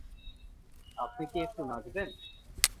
আপনি কি একটু নাচবেন?